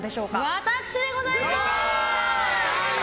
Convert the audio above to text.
私でございます！